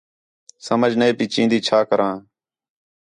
سمجھ نے پئی چِین٘دی چَھا کراں